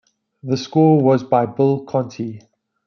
The score was by Bill Conti.